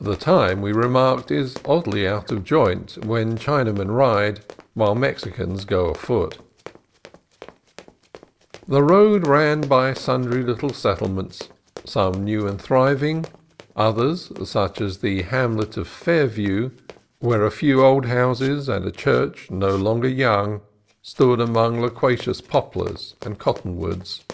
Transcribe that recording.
The time, we re marked, is oddly out of joint when Chinamen ride while Mexicans go afoot. 12 CALIFORNIA COAST TRAILS The road ran by sundry little settlements, some new and thriving, others, such as the hamlet of Fair view, where a few old houses and a church no longer young stood among loquacious poplars and cotton woods.